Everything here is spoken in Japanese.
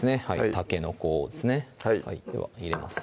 たけのこですねでは入れます